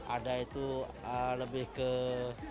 ada itu lebih ke